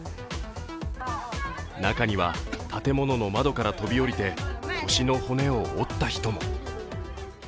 中には建物の窓から飛び降りて腰の骨を折った人も。